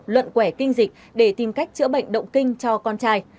luận quẻ kinh dịch để tìm cách chữa bệnh động kinh cho con trai